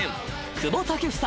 久保建英］